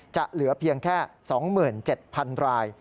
จะเหลือเพียงแค่๒๗๐๐ราย